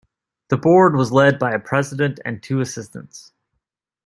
The Board was led by a President and two assistants.